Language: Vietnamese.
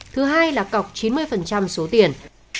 thứ hai là cọc chín mươi số tiền